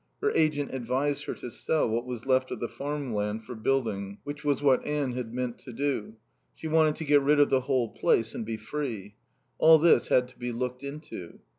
Her agent advised her to sell what was left of the farm land for building, which was what Anne had meant to do. She wanted to get rid of the whole place and be free. All this had to be looked into.